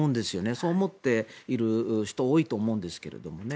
そう思っている人多いと思うんですけどね。